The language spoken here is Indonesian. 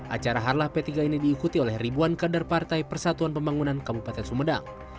acara harlah p tiga ini diikuti oleh ribuan kader partai persatuan pembangunan kabupaten sumedang